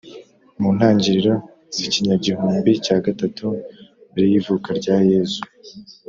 mu ntangiriro z ikinyagihumbi cya gatatu mbere y ivuka rya Yezu